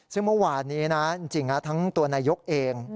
ซึ่งเมื่อวานนี้นะจริงทั้งตัวนายกเอง